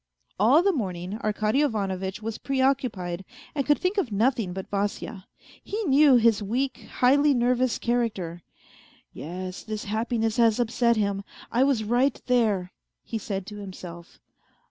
All the morning Arkady Ivanovitch was preoccupied, and could think of nothing but Vasya. He knew his weak, highly nervous character. " Yes, this happiness has upset him, I was right there," he said to himself.